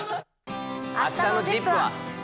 あしたのＺＩＰ！は。